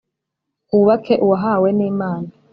hubake uwahawe n’imana,